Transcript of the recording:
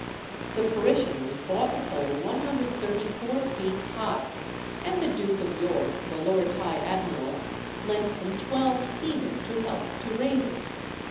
The parishioners bought a pole 134 feet high, and the Duke of York, the Lord High Admiral, lent them twelve seamen to help to raise it.